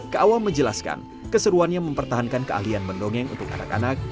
kaawal menjelaskan keseruannya mempertahankan keahlian mendongeng untuk anak anak